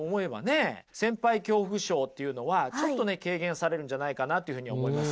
先輩恐怖症っていうのはちょっとね軽減されるんじゃないかなというふうに思います。